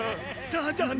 ただの。